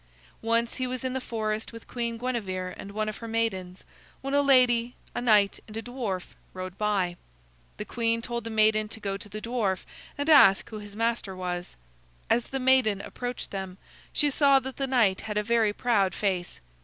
Once he was in the forest with Queen Guinevere and one of her maidens, when a lady, a knight, and a dwarf rode by. The queen told the maiden to go to the dwarf and ask who his master was. As the maiden approached them, she saw that the knight had a very proud face.